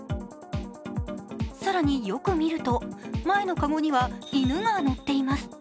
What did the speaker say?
更に、よく見ると前の籠には犬が乗っています。